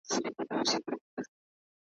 نوش جان دي سه زما غوښي نوشوه یې ,